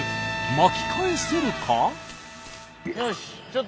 巻き返せるか？